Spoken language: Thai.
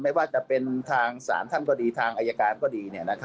ไม่ว่าจะเป็นทางศาลท่านก็ดีทางอายการก็ดี